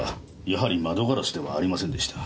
やはり窓ガラスではありませんでした。